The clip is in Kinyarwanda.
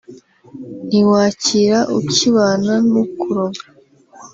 ntiwakira ukibana n’ukuroga